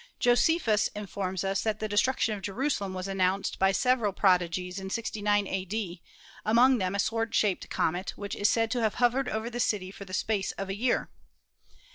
Josephus informs us that the destruction of Jerusalem was announced by several prod igies in 69 a.d., among them a sword shaped comet which is said to have hovered over the city for the space of a year